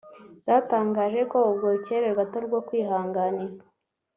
zatangaje ko ubwo bucyererwe atari ubwo kwihanganira